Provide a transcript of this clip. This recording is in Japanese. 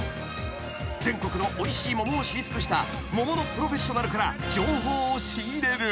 ［全国のおいしい桃を知り尽くした桃のプロフェッショナルから情報を仕入れる］